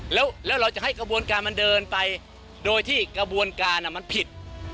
แล้วเราจะให้กระบวนการมันเดินไปโดยที่กระบวนการมันผิด